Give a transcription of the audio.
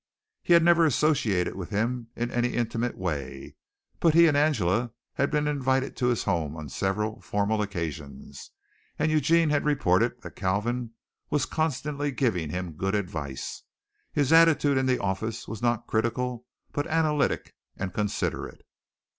He had never associated with him in any intimate way, but he and Angela had been invited to his home on several formal occasions, and Eugene had reported that Kalvin was constantly giving him good advice. His attitude in the office was not critical but analytic and considerate.